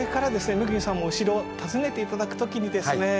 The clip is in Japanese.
恵さんもお城を訪ねて頂く時にですね